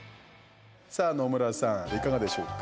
さあ、野村さんいかがでしょうか？